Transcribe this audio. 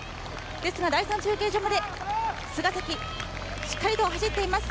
ですが第３中継所まで菅崎、しっかりと走っています。